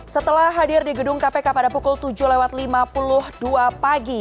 setelah hadir di gedung kpk pada pukul tujuh lewat lima puluh dua pagi